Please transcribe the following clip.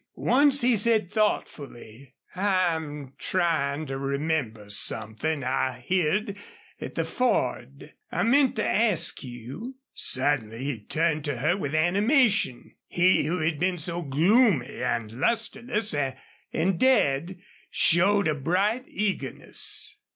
Once he said, thoughtfully: "I'm tryin' to remember somethin' I heerd at the Ford. I meant to ask you " Suddenly he turned to her with animation. He who had been so gloomy and lusterless and dead showed a bright eagerness.